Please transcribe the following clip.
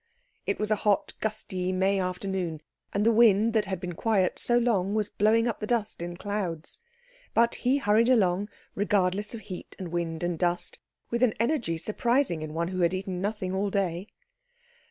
It was a hot, gusty May afternoon, and the wind that had been quiet so long was blowing up the dust in clouds; but he hurried along regardless of heat and wind and dust, with an energy surprising in one who had eaten nothing all day.